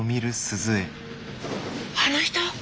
あの人？